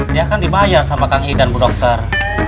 dia kan dibayar sama kang idan bu dokter